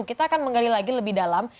kita akan menggali lagi lebih dalam